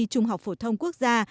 trung học phổ thông quốc gia